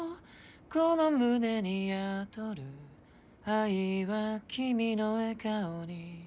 この胸に宿る愛は君の笑顔に